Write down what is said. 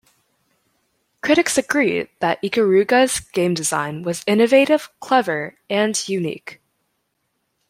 Critics agreed that "Ikaruga"s game design was "innovative", "clever", and "unique".